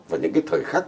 vào những cái thời khắc